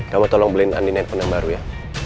kamu tolong beliin andien handphone yang baru ya